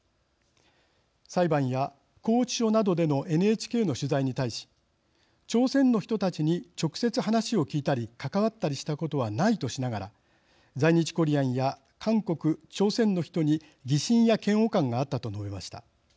裁判や拘置所などでのＮＨＫの取材に対し朝鮮の人たちに直接話を聞いたり関わったりしたことはないとしながら、在日コリアンや韓国、朝鮮の人に疑心や嫌悪感があったと述べました。